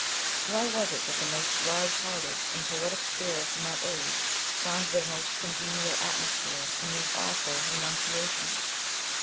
Why was it that the most large hearted and poetic spirits in that age found their most congenial atmosphere in these awful renunciations